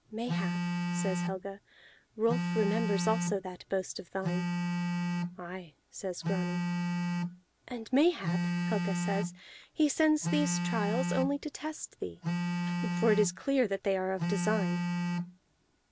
"Mayhap," says Helga, "Rolf remembers also that boast of thine." "Aye," says Grani. "And mayhap," Helga says, "he sends these trials only to test thee, for it is clear that they are of design."